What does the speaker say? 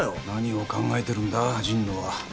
何を考えてるんだ神野は。